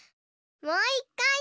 もういっかい！